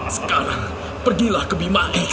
sekarang pergi ke bima x